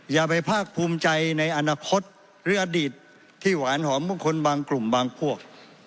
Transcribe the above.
อย่าไปภาคภูมิใจในอนาคตหรืออดีตที่หวานหอมมงคลบางกลุ่มบางพวก